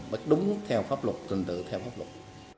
bắt đúng theo pháp luật tình tự theo pháp luật